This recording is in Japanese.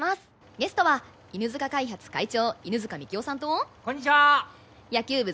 ゲストは犬塚開発会長犬塚樹生さんとこんにちは野球部